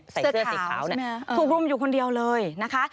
เสื้อขาวใช่ไหมคะถูกรุมอยู่คนเดียวเลยนะคะ